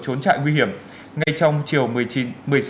trốn trại nguy hiểm ngay trong chiều